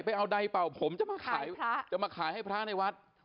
ไปเอาใดเป่าผมจะมาขายให้พระในวัด